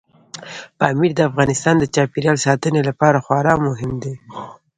پامیر د افغانستان د چاپیریال ساتنې لپاره خورا مهم دی.